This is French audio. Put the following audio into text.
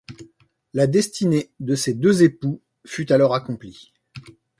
La destinée de ces deux époux fut alors accomplie.